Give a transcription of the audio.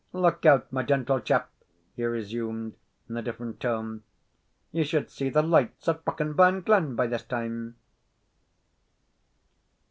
Look out, my gentle chap," he resumed, in a different tone; "ye should see the lights at Brokenburn Glen by this time."